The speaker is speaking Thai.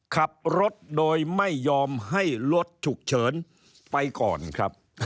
ขับรถโดยไม่ยอมให้รถฉุกเฉินไปก่อนครับ